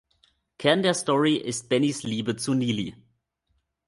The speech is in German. Kern der Story ist Bennys Liebe zu Nili.